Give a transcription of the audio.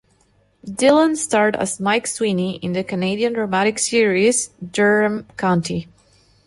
Dillon starred as Mike Sweeney in the Canadian dramatic series "Durham County".